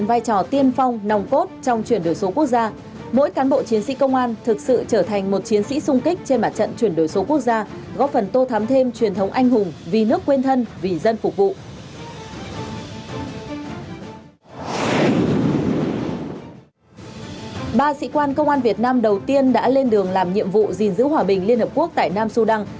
bộ trưởng công an việt nam đầu tiên đã lên đường làm nhiệm vụ gìn giữ hòa bình liên hợp quốc tại nam sudan